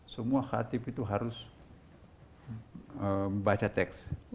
semua khatib itu harus baca teks